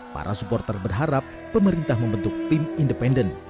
para supporter berharap pemerintah membentuk tim independen